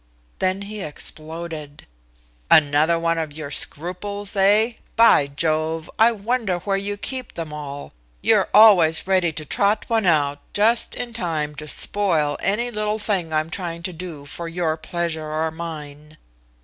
Then he exploded. "Another one of your scruples, eh? By Jove, I wonder where you keep them all. You're always ready to trot one out just in time to spoil any little thing I'm trying to do for your pleasure or mine."